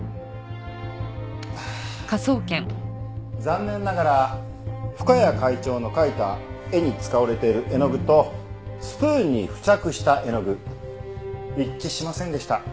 残念ながら深谷会長の描いた絵に使われている絵の具とスプーンに付着した絵の具一致しませんでした。